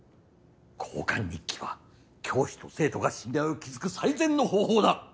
交換日記は教師と生徒が信頼を築く最善の方法だ。